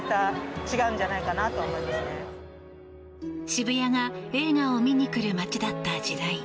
渋谷が映画を見に来る街だった時代。